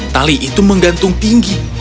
tali itu menggantung tinggi